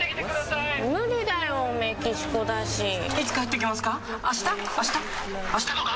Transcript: いつ帰ってきますか？